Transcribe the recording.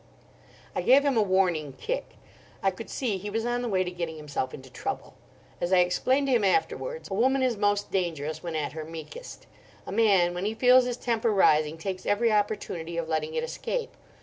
I gave him a warning kick. I could see he was on the way to getting himself into trouble. As I explained to him afterwards, a woman is most dangerous when at her meekest. A man, when he feels his temper rising, takes every opportunity of letting it escape.